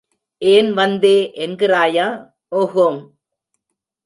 ஏன் வந்தே என்கிறாயா? ஊஹும்.